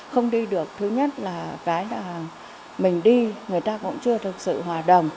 không đi được thứ nhất là cái là mình đi người ta cũng chưa thực sự hòa đồng